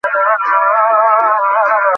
আমার কাছে আসিলে বলিয়া দিব, কিভাবে লাভ করা যায়।